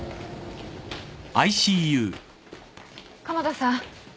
鴨田さん。